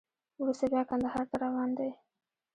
وروسته بیا کندهار ته روان دی.